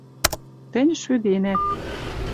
Тӹнь шӱденӓт —